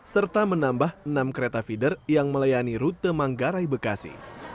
serta menambah enam kereta feeder yang melayani rute manggarai bekasi